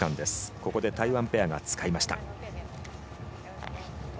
ここで台湾ペアが使いました。